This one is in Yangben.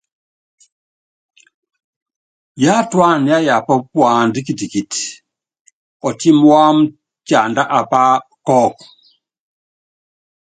Yatúana yayapa puandá kitikiti, ɔtímí wámɛ tiánda apá kɔ́kɔ.